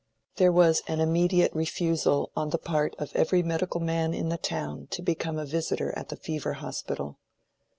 There was an immediate refusal on the part of every medical man in the town to become a visitor at the Fever Hospital.